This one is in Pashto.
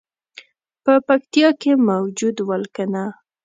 په پکتیا کې موجود ول کنه.